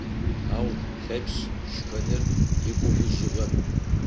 Ау Лъэпшъ шхэныр игугъужьыгъэп.